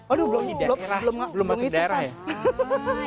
aduh belum di daerah belum masuk di daerah ya